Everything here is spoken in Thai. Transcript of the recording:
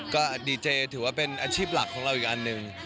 ก็ดีเจถือว่าเป็นอาชีพหลักของเราอีกอันหนึ่ง